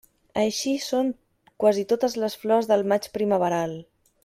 Així són quasi totes les flors del maig primaveral.